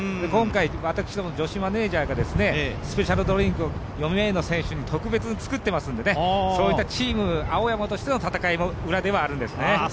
今回、私ども女子マネージャーがスペシャルドリンクを４名の選手に特別に作っていますのでそういったチーム青山としての戦いも裏ではあるんですね。